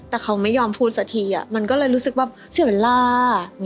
แต่เขาไม่ยอมพูดสักทีมันก็เลยรู้สึกว่าเสียเวลา